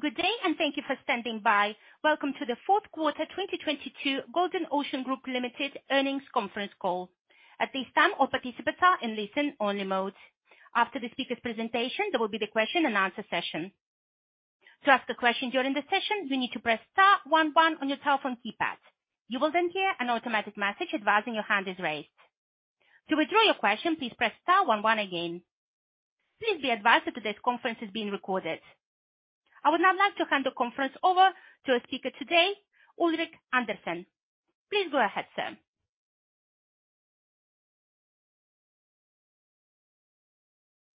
Good day and thank you for standing by. Welcome to the Fourth Quarter 2022 Golden Ocean Group Limited Earnings Conference Call. At this time, all participants are in listen only mode. After the speaker's presentation, there will be the question and answer session. To ask a question during the session, you need to press star one one on your telephone keypad. You will then hear an automatic message advising your hand is raised. To withdraw your question, please press star one one again. Please be advised that today's conference is being recorded. I would now like to hand the conference over to our speaker today, Ulrik Andersen. Please go ahead, sir.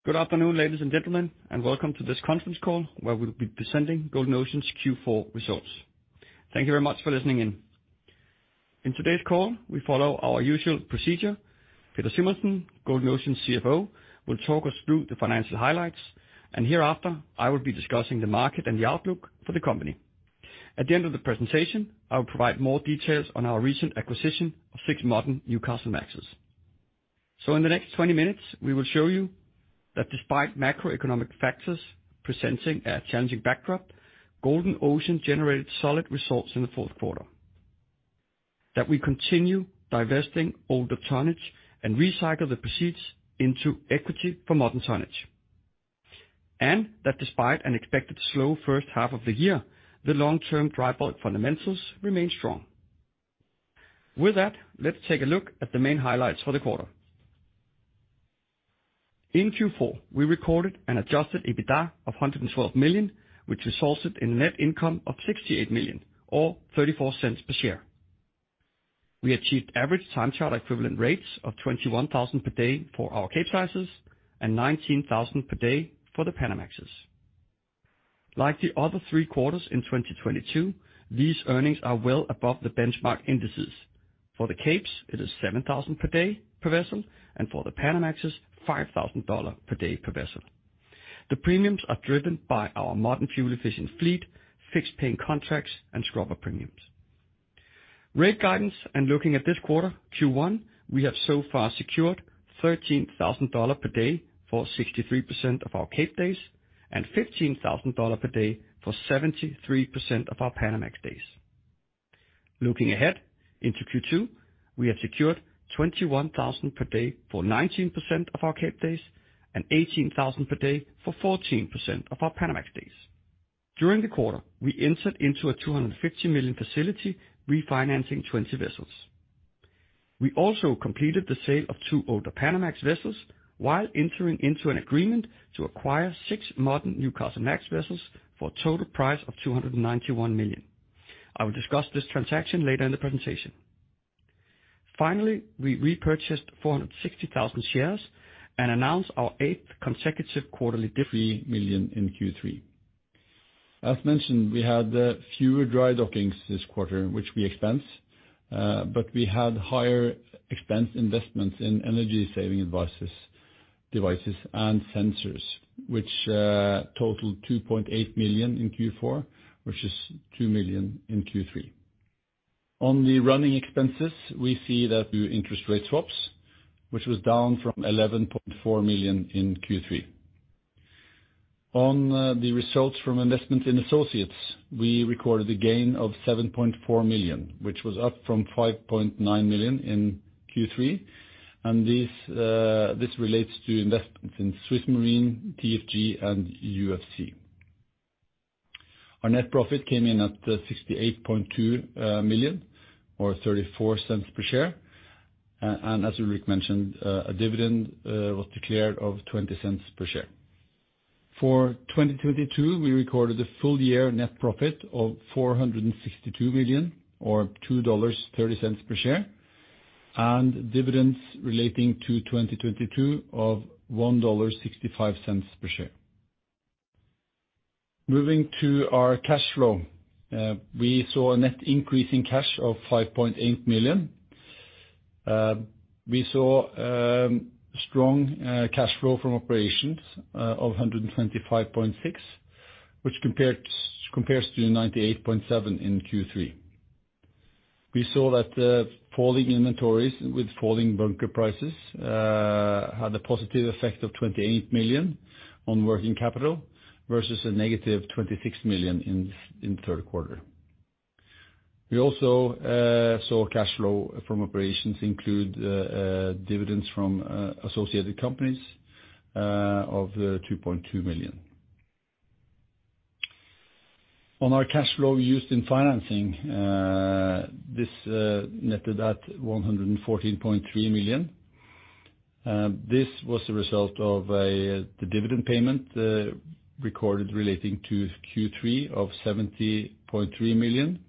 Good afternoon, ladies and gentlemen. Welcome to this conference call where we'll be presenting Golden Ocean's Q4 results. Thank you very much for listening in. In today's call, we follow our usual procedure. Peder Simonsen, Golden Ocean's CFO, will talk us through the financial highlights. Hereafter I will be discussing the market and the outlook for the company. At the end of the presentation, I will provide more details on our recent acquisition of six modern Newcastlemaxes. In the next 20 minutes, we will show you that despite macroeconomic factors presenting a challenging backdrop, Golden Ocean generated solid results in the fourth quarter. We continue divesting older tonnage and recycle the proceeds into equity for modern tonnage. Despite an expected slow first half of the year, the long-term dry bulk fundamentals remain strong. With that, let's take a look at the main highlights for the quarter. In Q4, we recorded an adjusted EBITDA of $112 million, which resulted in net income of $68 million or $0.34 per share. We achieved average time charter equivalent rates of $21,000 per day for our Capesizes and $19,000 per day for the Panamaxes. Like the other three quarters in 2022, these earnings are well above the benchmark indices. For the Capes, it is $7,000 per day per vessel, and for the Panamaxes, $5,000 per day per vessel. The premiums are driven by our modern fuel efficient fleet, fixed paying contracts and scrubber premiums. Rate guidance and looking at this quarter, Q1, we have so far secured $13,000 per day for 63% of our Cape days and $15,000 per day for 73% of our Panamax days. Looking ahead into Q2, we have secured $21,000 per day for 19% of our Cape days and $18,000 per day for 14% of our Panamax days. During the quarter, we entered into a $250 million facility, refinancing 20 vessels. We also completed the sale of two older Panamax vessels while entering into an agreement to acquire six modern Newcastlemax vessels for a total price of $291 million. I will discuss this transaction later in the presentation. Finally, we repurchased 460,000 shares and announced our eighth consecutive quarterly. Di- $-3 million in Q3. As mentioned, we had fewer dry dockings this quarter, which we expense, but we had higher expense investments in energy saving devices and sensors, which totaled $2.8 million in Q4, which is $2 million in Q3. On the running expenses, we see that the interest rate swaps, which was down from $11.4 million in Q3. The results from investments in associates, we recorded a gain of $7.4 million, which was up from $5.9 million in Q3. This relates to investments in SwissMarine, TFG and UFC. Our net profit came in at $68.2 million or $0.34 per share. As Ulrik mentioned, a dividend was declared of $0.20 per share. For 2022, we recorded a full year net profit of $462 million or $2.30 per share, and dividends relating to 2022 of $1.65 per share. Moving to our cash flow, we saw a net increase in cash of $5.8 million. We saw strong cash flow from operations of $125.6, which compares to $98.7 in Q3. We saw that falling inventories with falling bunker prices had a positive effect of $28 million on working capital versus a $-26 million in the third quarter. We also saw cash flow from operations include dividends from associated companies of $2.2 million. On our cash flow used in financing, this netted at $114.3 million. This was a result of the dividend payment recorded relating to Q3 of $70.3 million.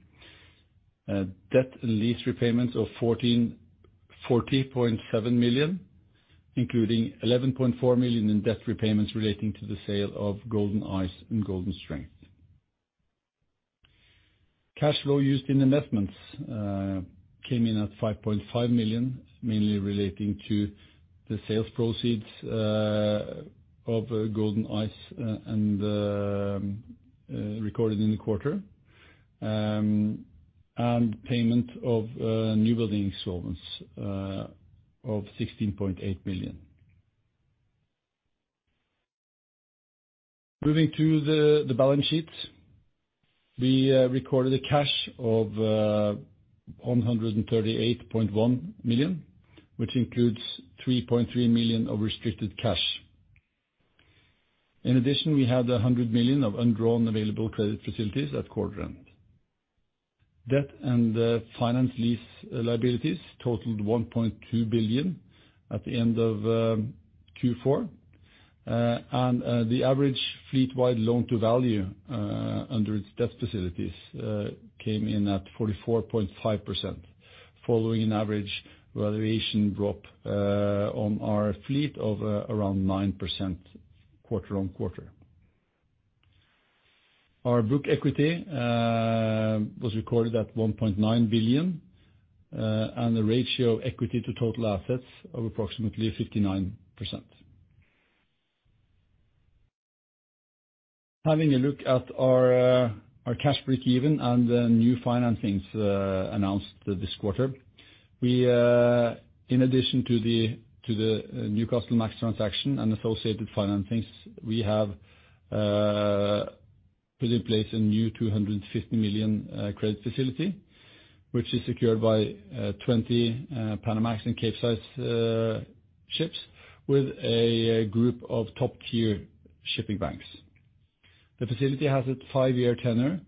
Debt and lease repayments of $40.7 million, including $11.4 million in debt repayments relating to the sale of Golden Ice and Golden Strength. Cash flow used in investments came in at $5.5 million, mainly relating to the sales proceeds of Golden Ice and recorded in the quarter, and payment of new building installments of $16.8 million. Moving to the balance sheet. We recorded a cash of $138.1 million, which includes $3.3 million of restricted cash. In addition, we have $100 million of undrawn available credit facilities at quarter-end. Debt and finance lease liabilities totaled $1.2 billion at the end of Q4. The average fleet-wide loan-to-value under its debt facilities came in at 44.5% following an average valuation drop on our fleet of around 9% quarter-on-quarter. Our book equity was recorded at $1.9 billion, and the ratio of equity to total assets of approximately 59%. Having a look at our cash break-even and the new financings, announced this quarter, we, in addition to the Newcastlemax transaction and associated financings, we have put in place a new $250 million credit facility, which is secured by 20 Panamax and Capesize ships with a group of top-tier shipping banks. The facility has its five-year tenor,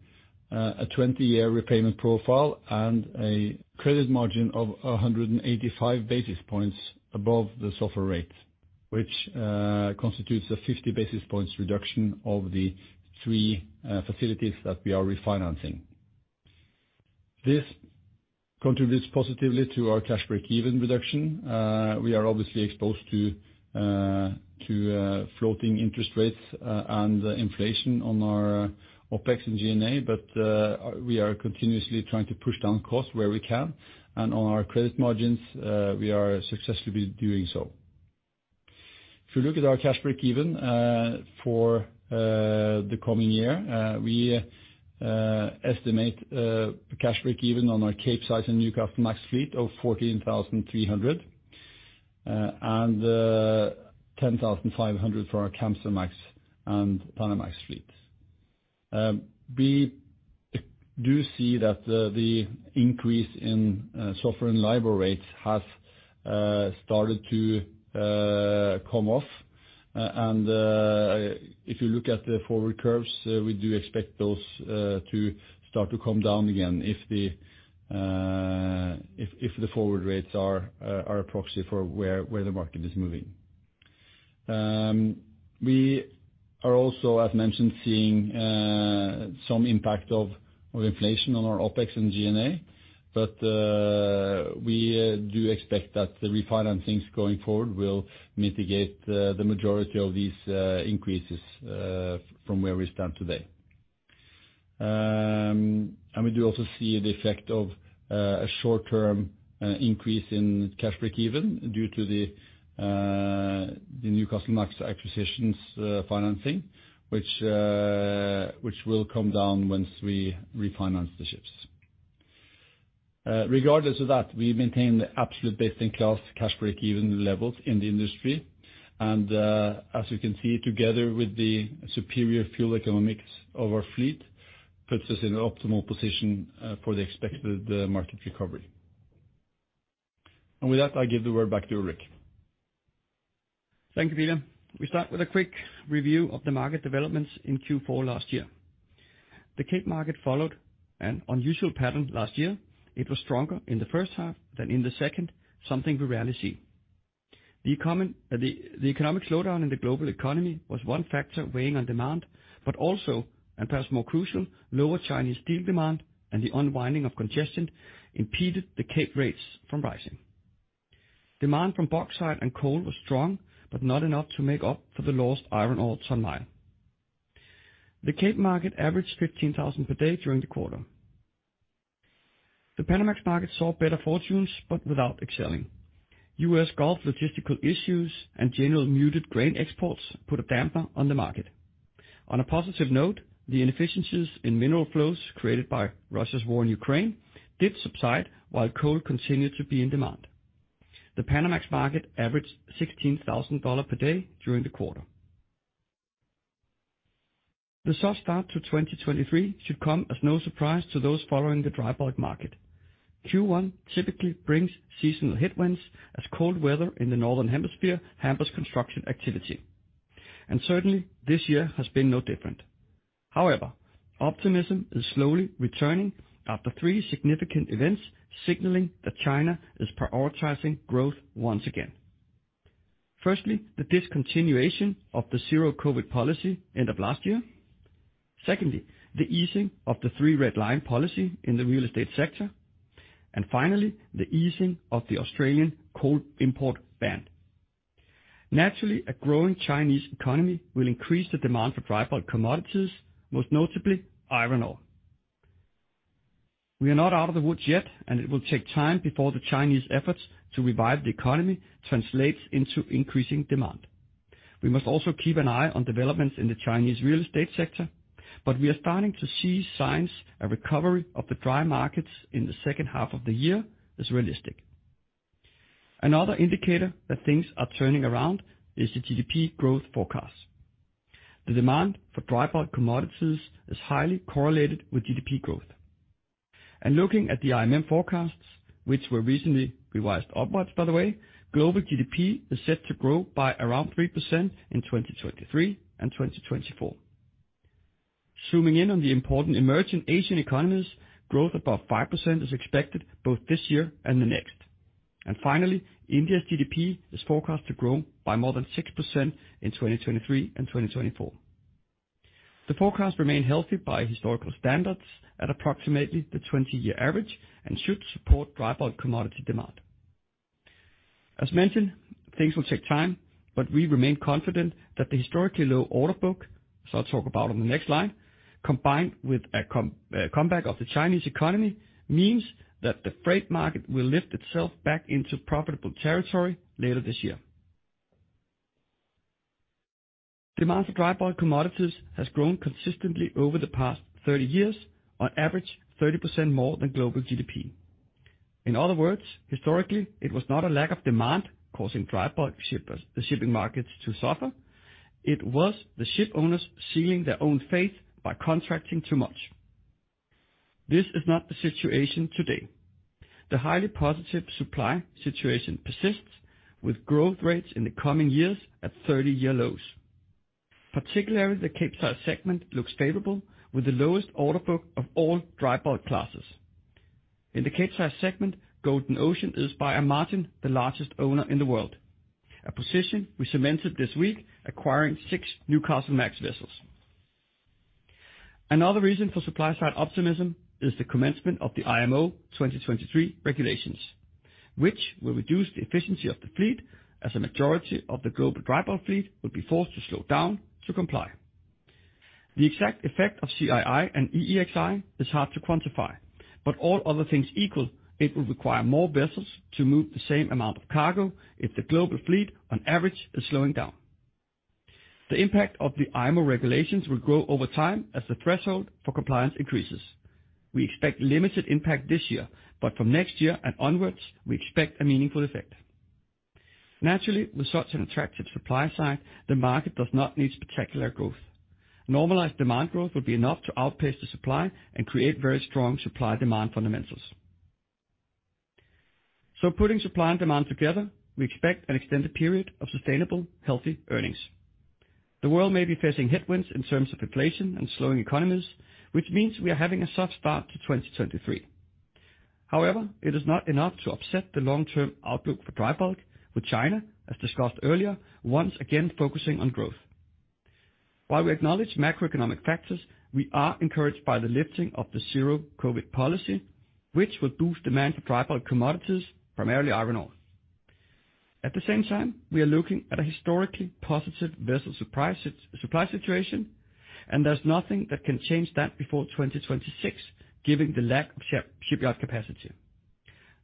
a 20-year repayment profile, and a credit margin of 185 basis points above the SOFR rate, which constitutes a 50 basis points reduction of the three facilities that we are refinancing. This contributes positively to our cash break-even reduction. We are obviously exposed to floating interest rates and inflation on our OpEx and G&A. We are continuously trying to push down costs where we can and on our credit margins, we are successfully doing so. If you look at our cash break even for the coming year, we estimate cash break even on our Capesize and Newcastlemax fleet of $14,300 and $10,500 for our Kamsarmax and Panamax fleets. We do see that the increase in SOFR and LIBOR rates has started to come off. If you look at the forward curves, we do expect those to start to come down again if the forward rates are a proxy for where the market is moving. We are also, as mentioned, seeing some impact of inflation on our OpEx and G&A, but we do expect that the refinancings going forward will mitigate the majority of these increases from where we stand today. We do also see the effect of a short-term increase in cash break even due to the Newcastlemax acquisitions financing, which will come down once we refinance the ships. Regardless of that, we maintain the absolute best-in-class cash break-even levels in the industry. As you can see, together with the superior fuel economics of our fleet, puts us in an optimal position, for the expected, market recovery. With that, I give the word back to Ulrik. Thank you, [Wilhelm]. We start with a quick review of the market developments in Q4 last year. The Cape Market followed an unusual pattern last year. It was stronger in the first half than in the second, something we rarely see. The economic slowdown in the global economy was one factor weighing on demand, but also, and perhaps more crucial, lower Chinese steel demand and the unwinding of congestion impeded the Cape rates from rising. Demand from bauxite and coal was strong, but not enough to make up for the lost iron ore ton-mile. The Cape Market averaged $15,000 per day during the quarter. The Panamax market saw better fortunes, but without excelling. U.S. Gulf logistical issues and general muted grain exports put a damper on the market. On a positive note, the inefficiencies in mineral flows created by Russia's war in Ukraine did subside while coal continued to be in demand. The Panamax market averaged $16,000 per day during the quarter. The soft start to 2023 should come as no surprise to those following the dry bulk market. Q1 typically brings seasonal headwinds as cold weather in the northern hemisphere hampers construction activity. Certainly, this year has been no different. However, optimism is slowly returning after three significant events, signaling that China is prioritizing growth once again. Firstly, the discontinuation of the zero-COVID policy end of last year. Secondly, the easing of the three red lines policy in the real estate sector. Finally, the easing of the Australian coal import ban. Naturally, a growing Chinese economy will increase the demand for dry bulk commodities, most notably iron ore. We are not out of the woods yet. It will take time before the Chinese efforts to revive the economy translates into increasing demand. We must also keep an eye on developments in the Chinese real estate sector. We are starting to see signs a recovery of the dry markets in the second half of the year is realistic. Another indicator that things are turning around is the GDP growth forecast. The demand for dry bulk commodities is highly correlated with GDP growth. Looking at the IMF forecasts, which were recently revised upwards, by the way, global GDP is set to grow by around 3% in 2023 and 2024. Zooming in on the important emerging Asian economies, growth above 5% is expected both this year and the next. India's GDP is forecast to grow by more than 6% in 2023 and 2024. The forecast remained healthy by historical standards at approximately the 20-year average and should support dry bulk commodity demand. Things will take time, but we remain confident that the historically low order book, so I'll talk about on the next slide, combined with a comeback of the Chinese economy, means that the freight market will lift itself back into profitable territory later this year. Demand for dry bulk commodities has grown consistently over the past 30 years, on average 30% more than global GDP. Historically, it was not a lack of demand causing dry bulk shippers, the shipping markets to suffer. It was the ship owners sealing their own fate by contracting too much. This is not the situation today. The highly positive supply situation persists, with growth rates in the coming years at 30-year lows. Particularly, the Capesize segment looks favorable, with the lowest order book of all dry bulk classes. In the Capesize segment, Golden Ocean is by a margin the largest owner in the world, a position we cemented this week acquiring six Newcastlemax vessels. Another reason for supply side optimism is the commencement of the IMO 2023 regulations, which will reduce the efficiency of the fleet as a majority of the global dry bulk fleet will be forced to slow down to comply. The exact effect of CII and EEXI is hard to quantify, all other things equal, it will require more vessels to move the same amount of cargo if the global fleet on average is slowing down. The impact of the IMO regulations will grow over time as the threshold for compliance increases. We expect limited impact this year, from next year and onwards, we expect a meaningful effect. Naturally, with such an attractive supply side, the market does not need spectacular growth. Normalized demand growth will be enough to outpace the supply and create very strong supply demand fundamentals. Putting supply and demand together, we expect an extended period of sustainable, healthy earnings. The world may be facing headwinds in terms of inflation and slowing economies, which means we are having a soft start to 2023. However, it is not enough to upset the long-term outlook for dry bulk with China, as discussed earlier, once again focusing on growth. While we acknowledge macroeconomic factors, we are encouraged by the lifting of the zero-COVID policy, which will boost demand for dry bulk commodities, primarily iron ore. At the same time, we are looking at a historically positive vessel supply situation, and there's nothing that can change that before 2026, given the lack of shipyard capacity.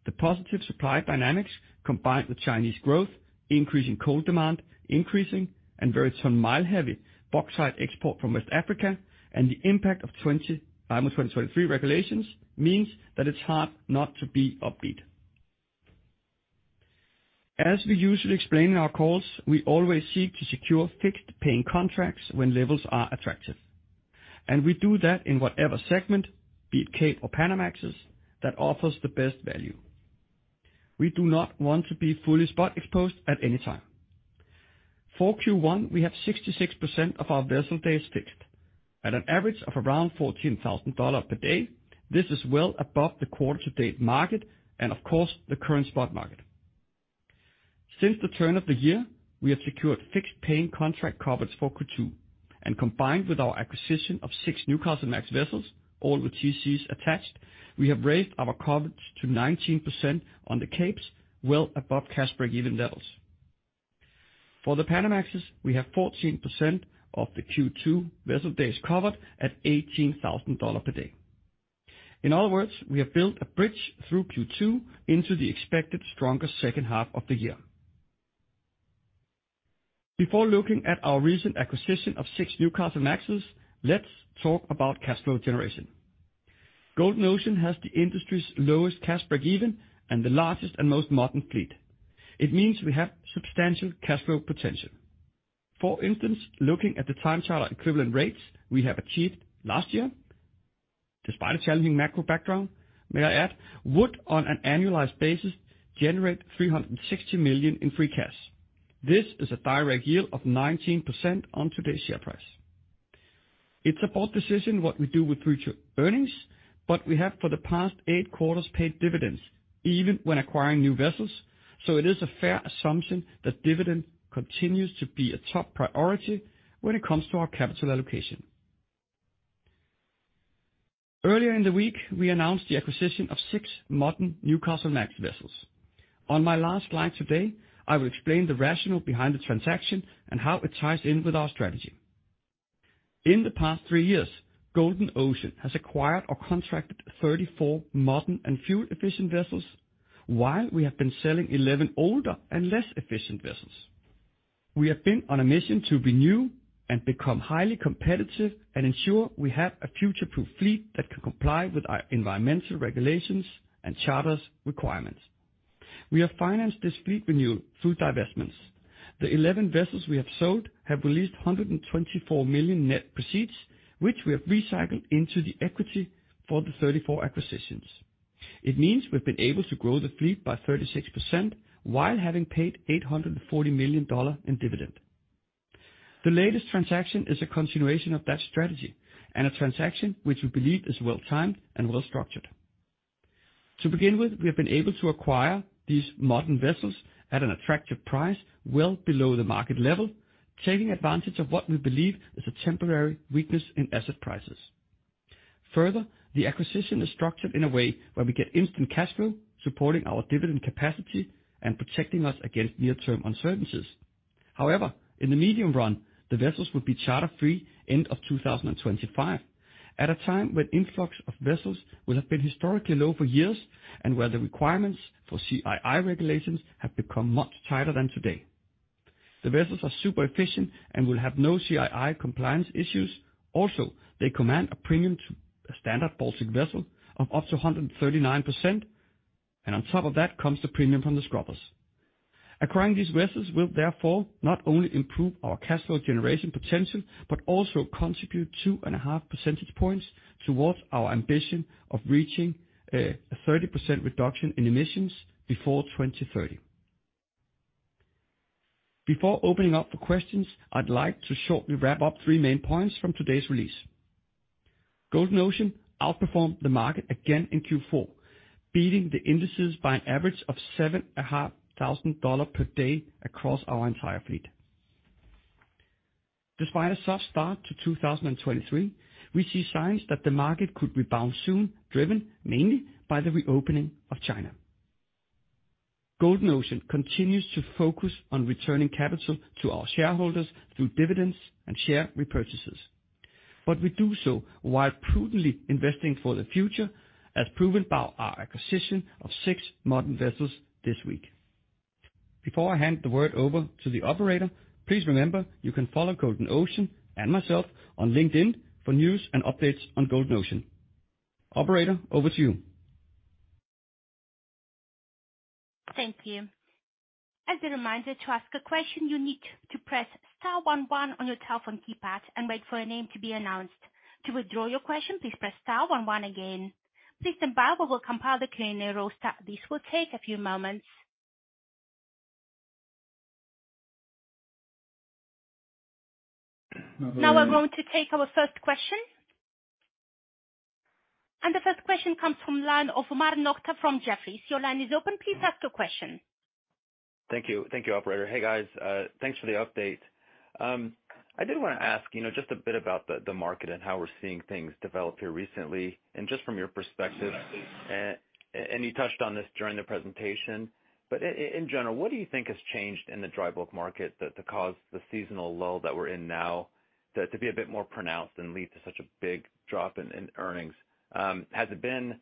The positive supply dynamics combined with Chinese growth, increasing coal demand, increasing and very some mild heavy bauxite export from West Africa, and the impact of IMO 2023 regulations means that it's hard not to be upbeat. As we usually explain in our calls, we always seek to secure fixed paying contracts when levels are attractive. We do that in whatever segment, be it Cape or Panamaxes that offers the best value. We do not want to be fully spot exposed at any time. For Q1, we have 66% of our vessel days fixed at an average of around $14,000 per day. This is well above the quarter to date market and of course, the current spot market. Since the turn of the year, we have secured fixed paying contract coverage for Q2. Combined with our acquisition of six Newcastlemax vessels, all with TCs attached, we have raised our coverage to 19% on the Capes, well above cash break-even levels. For the Panamaxes, we have 14% of the Q2 vessel days covered at $18,000 per day. In other words, we have built a bridge through Q2 into the expected stronger second half of the year. Before looking at our recent acquisition of six Newcastlemaxes, let's talk about cash flow generation. Golden Ocean has the industry's lowest cash break-even and the largest and most modern fleet. It means we have substantial cash flow potential. For instance, looking at the time charter equivalent rates we have achieved last year, despite a challenging macro background, may I add, would on an annualized basis generate $360 million in free cash. This is a direct yield of 19% on today's share price. It's a board decision what we do with future earnings, but we have for the past eight quarters paid dividends even when acquiring new vessels. It is a fair assumption that dividend continues to be a top priority when it comes to our capital allocation. Earlier in the week, we announced the acquisition of six modern Newcastlemax vessels. On my last slide today, I will explain the rationale behind the transaction and how it ties in with our strategy. In the past three years, Golden Ocean has acquired or contracted 34 modern and fuel-efficient vessels, while we have been selling 11 older and less efficient vessels. We have been on a mission to renew and become highly competitive and ensure we have a future-proof fleet that can comply with our environmental regulations and charters requirements. We have financed this fleet renewal through divestments. The 11 vessels we have sold have released $124 million net proceeds, which we have recycled into the equity for the 34 acquisitions. It means we've been able to grow the fleet by 36% while having paid $840 million in dividend. The latest transaction is a continuation of that strategy and a transaction which we believe is well-timed and well-structured. To begin with, we have been able to acquire these modern vessels at an attractive price, well below the market level, taking advantage of what we believe is a temporary weakness in asset prices. The acquisition is structured in a way where we get instant cash flow, supporting our dividend capacity and protecting us against near-term uncertainties. However, in the medium run, the vessels would be charter-free end of 2025, at a time when influx of vessels will have been historically low for years and where the requirements for CII regulations have become much tighter than today. The vessels are super efficient and will have no CII compliance issues. Also, they command a premium to a standard Baltic vessel of up to 139%, and on top of that comes the premium from the scrubbers. Acquiring these vessels will therefore not only improve our cash flow generation potential, but also contribute 2.5 percentage points towards our ambition of reaching a 30% reduction in emissions before 2023. Before opening up for questions, I'd like to shortly wrap up 3 main points from today's release. Golden Ocean outperformed the market again in Q4, beating the indices by an average of $7,500 per day across our entire fleet. Despite a soft start to 2023, we see signs that the market could rebound soon, driven mainly by the reopening of China. We do so while prudently investing for the future, as proven by our acquisition of six modern vessels this week. Before I hand the word over to the operator, please remember, you can follow Golden Ocean and myself on LinkedIn for news and updates on Golden Ocean. Operator, over to you. Thank you. As a reminder, to ask a question, you need to press star one one on your telephone keypad and wait for a name to be announced. To withdraw your question, please press star one one again. Please stand by while we compile the clear new roster. This will take a few moments. Now we're going to take our first question. The first question comes from line of Omar Nokta from Jefferies. Your line is open. Please ask your question. Thank you. Thank you, operator. Hey, guys. Thanks for the update. I did wanna ask, you know, just a bit about the market and how we're seeing things develop here recently. Just from your perspective, and you touched on this during the presentation, but in general, what do you think has changed in the dry bulk market that to cause the seasonal lull that we're in now, to be a bit more pronounced and lead to such a big drop in earnings? Has it been,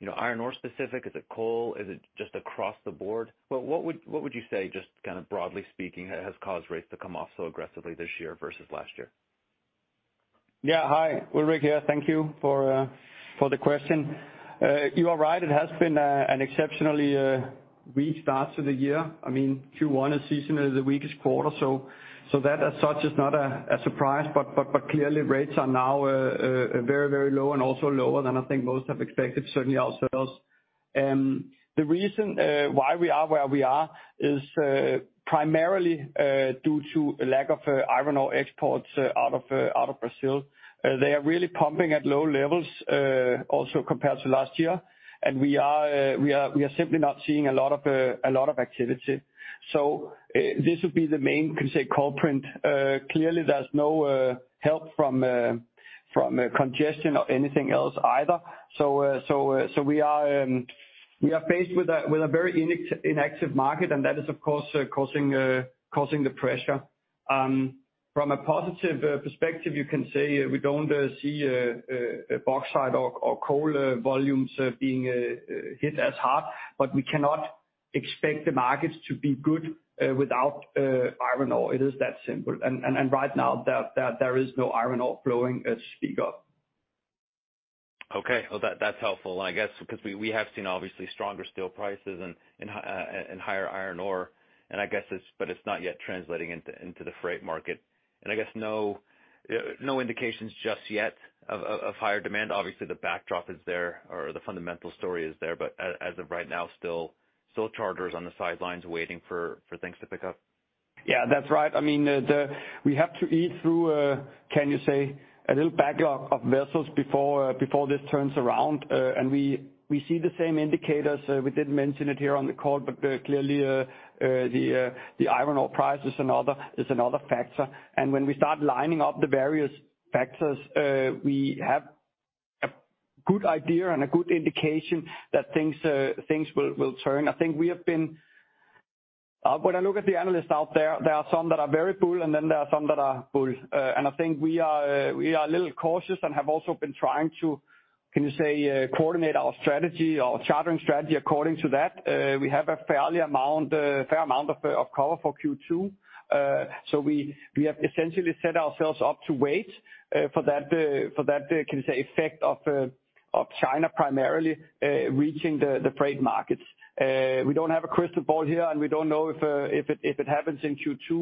you know, iron ore specific? Is it coal? Is it just across the board? What would you say, just kind of broadly speaking, has caused rates to come off so aggressively this year versus last year? Yeah. Hi, Ulrik here. Thank you for the question. You are right. It has been an exceptionally weak start to the year. I mean, Q1 is seasonally the weakest quarter, so that as such is not a surprise, but clearly rates are now very, very low and also lower than I think most have expected, certainly ourselves. The reason why we are where we are is primarily due to a lack of iron ore exports out of Brazil. They are really pumping at low levels, also compared to last year. We are simply not seeing a lot of activity. This would be the main, you can say, culprit. Clearly there's no help from congestion or anything else either. We are faced with a very inactive market, and that is, of course, causing the pressure. From a positive perspective, you can say we don't see bauxite or coal volumes being hit as hard, but we cannot expect the markets to be good without iron ore. It is that simple. Right now, there is no iron ore flowing as speaker. Okay. Well, that's helpful. I guess because we have seen obviously stronger steel prices and higher iron ore, but it's not yet translating into the freight market. I guess no indications just yet of higher demand. Obviously, the backdrop is there or the fundamental story is there. As of right now, still charters on the sidelines waiting for things to pick up. Yeah, that's right. I mean, the, we have to eat through, can you say, a little backlog of vessels before this turns around. We see the same indicators. We did mention it here on the call, but clearly, the iron ore price is another factor. When we start lining up the various factors, we have a good idea and a good indication that things will turn. I think we have been When I look at the analysts out there are some that are very bull, and then there are some that are bull. I think we are a little cautious and have also been trying to, can you say, coordinate our strategy, our chartering strategy according to that. We have a fair amount of cover for Q2. We have essentially set ourselves up to wait for that, for that, can you say, effect of China primarily reaching the freight markets. We don't have a crystal ball here, and we don't know if it happens in Q2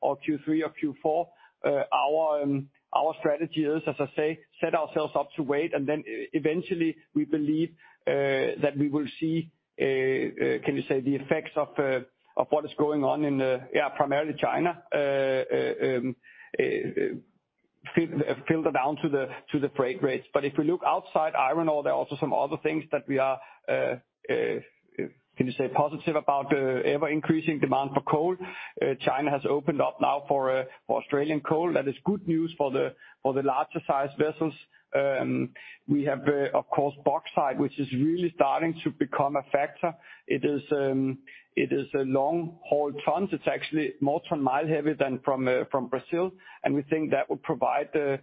or Q3 or Q4. Our strategy is, as I say, set ourselves up to wait, and then eventually we believe that we will see the effects of what is going on in the, yeah, primarily China, filter down to the freight rates. If you look outside iron ore, there are also some other things that we are positive about, ever-increasing demand for coal. China has opened up now for Australian coal. That is good news for the, for the larger sized vessels. We have, of course, bauxite, which is really starting to become a factor. It is, it is a long-haul transit. It's actually more ton-mile heavy than from Brazil, and we think that will provide a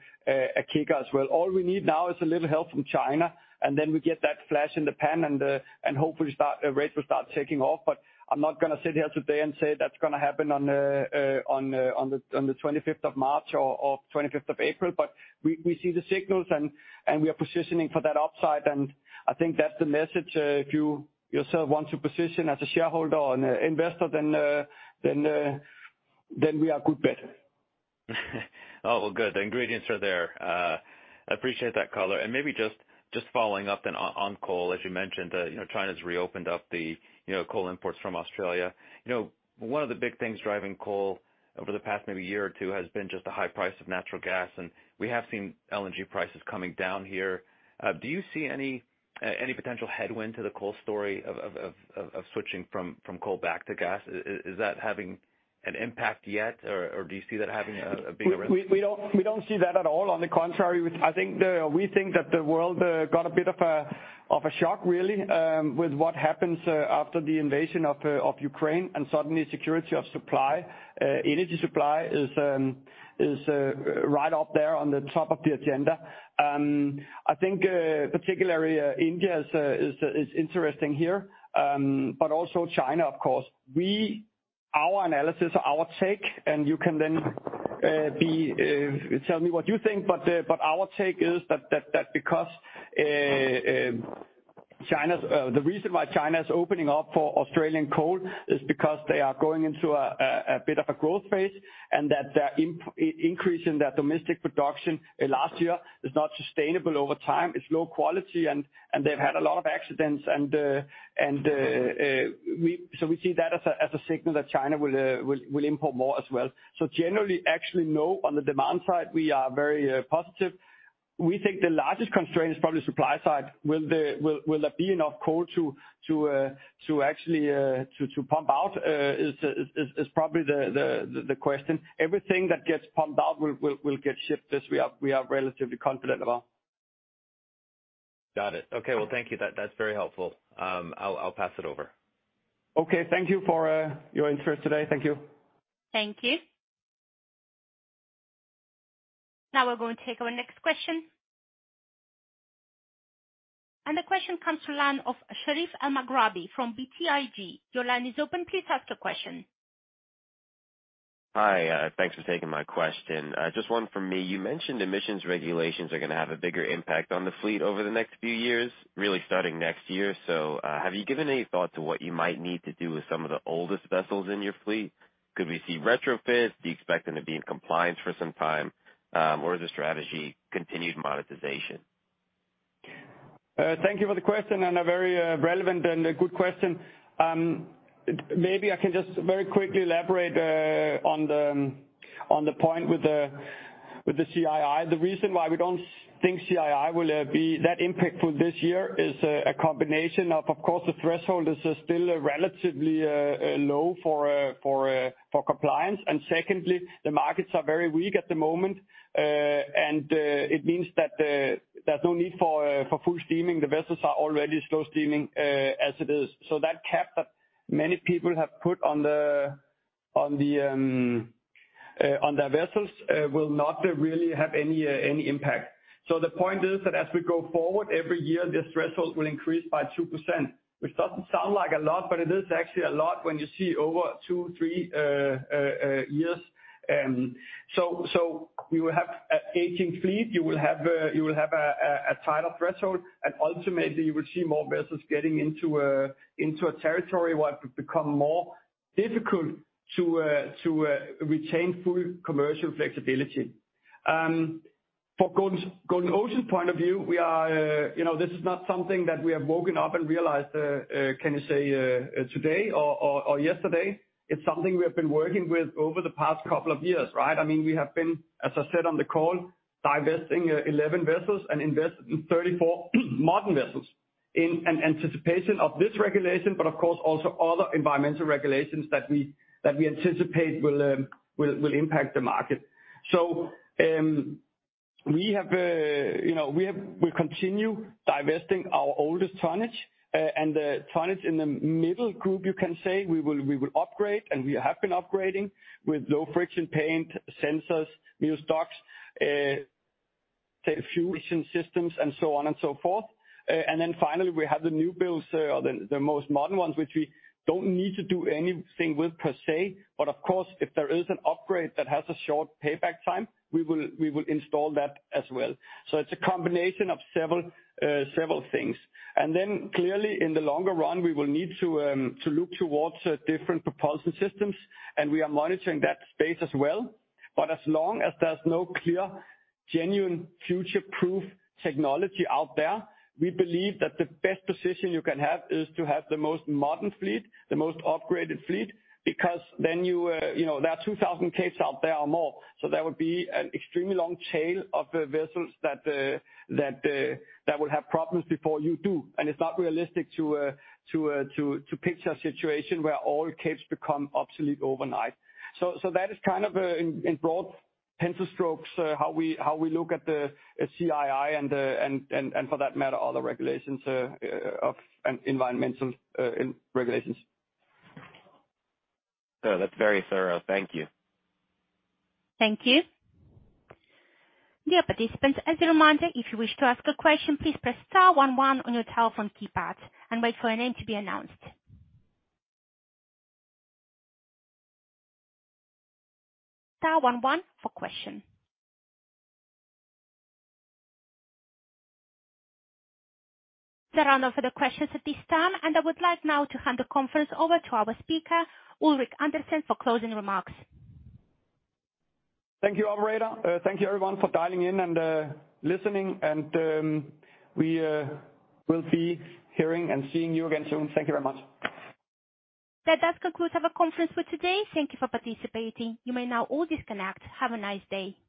kicker as well. All we need now is a little help from China, then we get that flash in the pan and hopefully rates will start taking off. I'm not gonna sit here today and say that's gonna happen on the 25th of March or 25th of April. We see the signals and we are positioning for that upside, and I think that's the message. If you yourself want to position as a shareholder and investor then we are good bet. Well, good. The ingredients are there. Appreciate that color. Maybe just following up then on coal. As you mentioned, you know, China's reopened up the, you know, coal imports from Australia. You know, one of the big things driving coal over the past maybe year or two has been just the high price of natural gas, and we have seen LNG prices coming down here. Do you see any potential headwind to the coal story of switching from coal back to gas? Is that having an impact yet or do you see that having a bigger risk? We don't see that at all. On the contrary, I think we think that the world got a bit of a shock really with what happens after the invasion of Ukraine. Suddenly security of supply, energy supply is right up there on the top of the agenda. I think particularly India is interesting here, but also China, of course. Our analysis or our take, you can then be tell me what you think. Our take is that because China's the reason why China is opening up for Australian coal is because they are going into a bit of a growth phase and that their increase in their domestic production last year is not sustainable over time. It's low quality, and they've had a lot of accidents. We see that as a signal that China will import more as well. Generally, actually, no. On the demand side, we are very positive. We think the largest constraint is probably supply side. Will there be enough coal to actually to pump out is probably the question. Everything that gets pumped out will get shipped, as we are relatively confident about. Got it. Okay. Well, thank you. That's very helpful. I'll pass it over. Okay. Thank you for your interest today. Thank you. Thank you. Now we're going to take our next question. The question comes to line of Sherif Elmaghrabi from BTIG. Your line is open. Please ask your question. Hi. Thanks for taking my question. Just one from me. You mentioned emissions regulations are gonna have a bigger impact on the fleet over the next few years, really starting next year. Have you given any thought to what you might need to do with some of the oldest vessels in your fleet? Could we see retrofits? Do you expect them to be in compliance for some time? Or is the strategy continued monetization? Thank you for the question, and a very relevant and a good question. Maybe I can just very quickly elaborate on the point with the CII. The reason why we don't think CII will be that impactful this year is a combination of course, the threshold is still relatively low for compliance. Secondly, the markets are very weak at the moment. It means that there's no need for full steaming. The vessels are already slow steaming as it is. That cap that many people have put on their vessels will not really have any impact. The point is that as we go forward every year, this threshold will increase by 2%, which doesn't sound like a lot, but it is actually a lot when you see over 2, 3 years. You have an aging fleet. You will have a tighter threshold. Ultimately, you will see more vessels getting into a territory where it could become more difficult to retain full commercial flexibility. From Golden Ocean's point of view, we are, you know, this is not something that we have woken up and realized, can you say, today or yesterday. It's something we have been working with over the past couple of years, right? I mean, we have been, as I said on the call, divesting 11 vessels and investing in 34 modern vessels in an anticipation of this regulation, but of course, also other environmental regulations that we, that we anticipate will impact the market. We have, you know, we continue divesting our oldest tonnage. The tonnage in the middle group, you can say, we will upgrade, and we have been upgrading with low friction paint, sensors, new stocks, fusion systems and so on and so forth. Finally, we have the new builds, the most modern ones, which we don't need to do anything with per se, but of course, if there is an upgrade that has a short payback time, we will install that as well. It's a combination of several things. Clearly, in the longer run, we will need to look towards different propulsion systems, and we are monitoring that space as well. As long as there's no clear, genuine future-proof technology out there, we believe that the best position you can have is to have the most modern fleet, the most upgraded fleet, because then you know, there are 2,000 Capes out there or more. That would be an extremely long tail of vessels that would have problems before you do. It's not realistic to picture a situation where all Capes become obsolete overnight. That is kind of in broad pencil strokes how we look at the CII and, for that matter, all the regulations, environmental regulations. Sir, that's very thorough. Thank you. Thank you. Dear participants, as a reminder, if you wish to ask a question, please press star one one on your telephone keypad and wait for your name to be announced. Star one one for question. There are no further questions at this time, and I would like now to hand the conference over to our speaker, Ulrik Andersen, for closing remarks. Thank you, operator. Thank you everyone for dialing in and listening, and we will be hearing and seeing you again soon. Thank you very much. That does conclude our conference for today. Thank Thank you for participating. You may now all disconnect. Have a nice day.